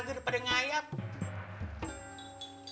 gak ada apapun